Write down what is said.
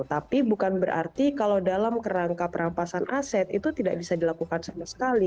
tapi bukan berarti kalau dalam kerangka perampasan aset itu tidak bisa dilakukan sama sekali